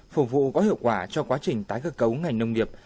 phục vụ có hiệu quả cho quá trình tái cơ cấu ngành nông nghiệp